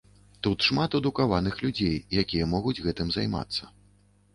Тут шмат адукаваных людзей, якія могуць гэтым займацца.